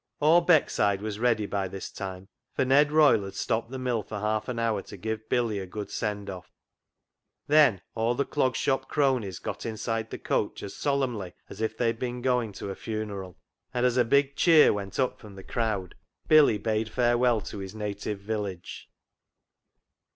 All Beckside was ready by this time, for Ned Royle had stopped the mill for half an hour to give Billy a good send off. Then all the Clog Shop cronies got inside the coach as solemnly as if they had been going to a funeral, and as a big cheer went up from the crowd Billy bade farewell to his native village.